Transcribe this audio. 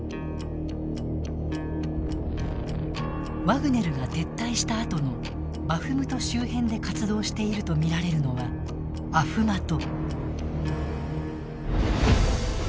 ワグネルが撤退したあとのバフムト周辺で活動しているとみられるのはアフマト。